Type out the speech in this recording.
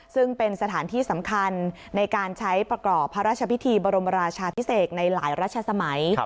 ซึ่งเป็นสถานที่สำคัญในการใช้ประกอบพระราชพิธีบรมราชาพิเศษในหลายรัชสมัย